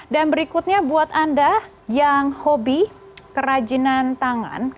dan berikutnya buat anda yang hobi kerajinan tangan